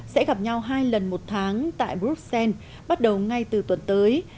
sẽ gặp nhau hai lần một tháng tại bruxelles bắt đầu ngay từ tuần tới